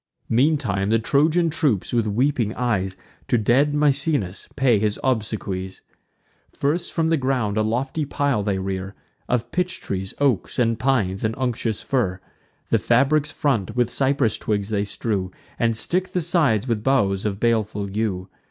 Meantime the Trojan troops, with weeping eyes, To dead Misenus pay his obsequies. First, from the ground a lofty pile they rear, Of pitch trees, oaks, and pines, and unctuous fir: The fabric's front with cypress twigs they strew, And stick the sides with boughs of baleful yew.